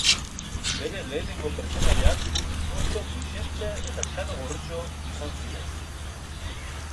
Bere lehenengo pertsonaiak Otso Bixente eta Txano Gorritxo izan ziren.